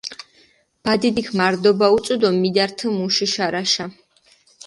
ბადიდიქ მარდობა უწუ დო მიდართჷ მუში შარაშა.